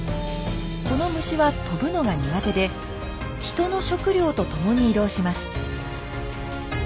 この虫は飛ぶのが苦手で人の食料とともに移動します。